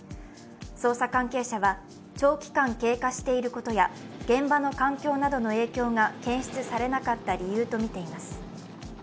捜査関係者は、長期間経過していることや現場の環境などの影響が検出されなかった理由とみています。